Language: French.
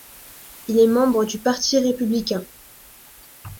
Il est membre du Parti républicain.